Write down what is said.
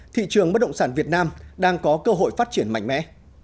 thị trường bất động sản việt nam đang có cơ hội phát triển mạnh mẽ